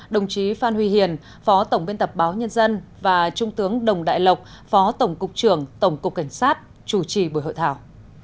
đồng chí phan huy hiền phó tổng biên tập báo nhân dân và trung tướng đồng đại lộc phó tổng cục trưởng tổng cục cảnh sát chủ trì buổi hội thảo